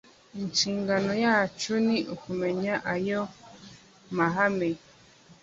inshingano yacu ni ukumenya ayo mahame